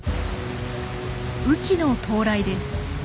雨季の到来です。